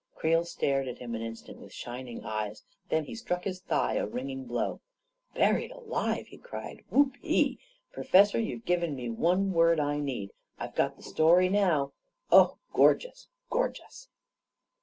Creel stared at him an instant with shining eyts ; then he struck his thigh a ringing blow. "Buried alive!" he cried. "Whoopee! Pro fessor, you've given me the one word I needed! I've got the story now I Oh, gorgeous, gorgeous